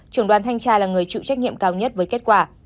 trưởng đoàn thanh tra là người chịu trách nhiệm cao nhất với kết quả